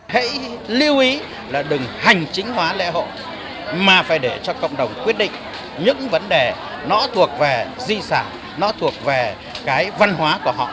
hãy lưu ý là đừng hành chính hóa lễ hội mà phải để cho cộng đồng quyết định những vấn đề nó thuộc về di sản nó thuộc về cái văn hóa của họ